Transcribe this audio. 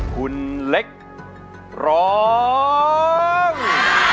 คุณเล็กร้อง